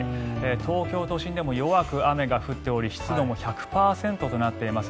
東京都心でも弱く雨が降っており湿度も１００％となっています。